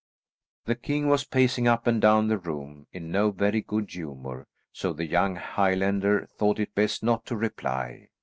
The king was pacing up and down the room in no very good humour, so the young Highlander thought it best not to reply.